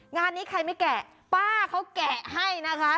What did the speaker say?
งานนี้ใครไม่แกะป้าเขาแกะให้นะคะ